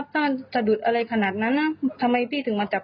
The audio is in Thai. สั้นสะดุดอะไรขนาดนั้นนะทำไมพี่ถึงมาจับ